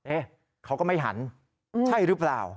เอ๊ะเขาก็ไม่หันใช่รึเปล่า